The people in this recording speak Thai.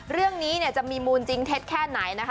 เรื่องนี้จะมีมูลจริงเท็จแค่ไหนนะคะ